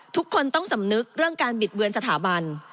ทุกคนต้องสำนึกเรื่องการบิดเบือนสถาบัน